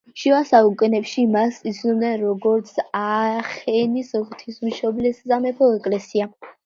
შუა საუკუნეებში მას იცნობდნენ როგორც „აახენის ღვთისმშობლის სამეფო ეკლესია“.